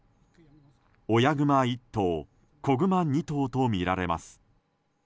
親グマ１頭子グマ２頭とみられます。